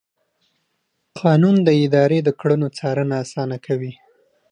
قانون د ادارې د کړنو څارنه اسانه کوي.